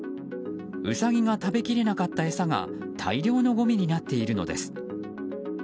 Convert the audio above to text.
ウサギが食べきれなかった餌が大量のごみになっているのです。